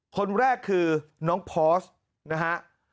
คนแรกคือน้องพอสนะฮะ